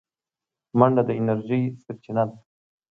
منډه د انرژۍ سرچینه ده